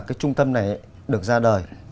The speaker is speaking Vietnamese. cái trung tâm này được ra đời